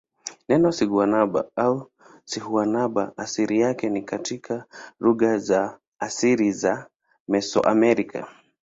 Neno siguanaba au sihuanaba asili yake ni katika lugha za asili za Mesoamerica.